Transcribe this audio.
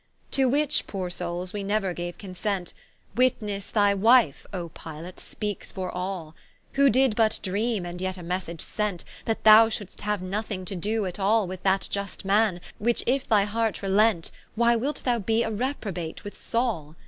To which (poore soules) we neuer gaue consent, Witnesse thy wife (O Pilate) speakes for all; Who did but dreame, and yet a message sent, That thou should'st haue nothing to doe at all With that iust man, which, if thy heart relent, Why wilt thou be a reprobate with Saul?